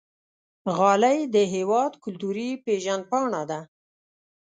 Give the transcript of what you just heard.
غالۍ د هېواد کلتوري پیژند پاڼه ده.